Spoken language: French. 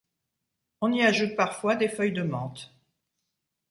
On y ajoute parfois des feuilles de menthe.